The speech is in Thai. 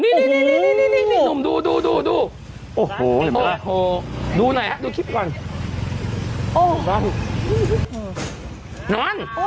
นี่นี่หนุ่มดูดูหน่อยมาดูคลิปก่อน